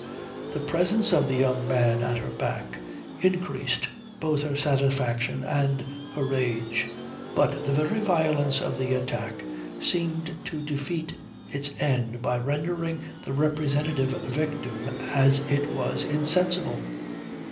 The presence of the young man at her back increased both her satisfaction and her rage. But the very violence of the attack seemed to defeat its end by rendering the representative victim as it were insensible.